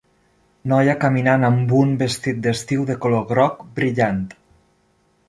noia caminant amb un vestit d'estiu de color groc brillant.